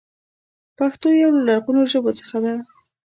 پښتو يو له لرغونو ژبو څخه ده.